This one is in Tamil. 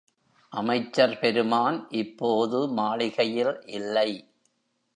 அமைச்சர் பெருமான் இப்போது மாளிகையில் இல்லை.